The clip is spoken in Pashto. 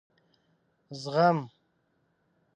زغم ....